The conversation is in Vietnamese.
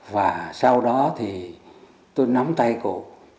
và sau đó thì tôi nắm tay cụ